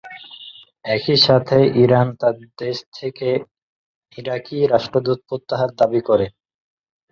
একই সাথে ইরান তার দেশ থেকে ইরাকী রাষ্ট্রদূতের প্রত্যাহার দাবী করে।